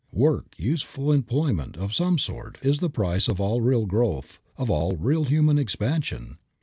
Work, useful employment of some sort, is the price of all real growth, of all real human expansion.